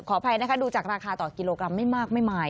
ขออภัยนะครับดูจากราคาต่อกิโลกรัม